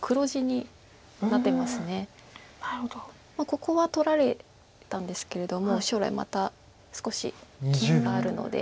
ここは取られたんですけれども将来また少し切りがあるので。